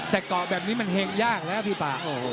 แต่เกาะแบบนี้มันเฮงยากแล้วพี่ป่า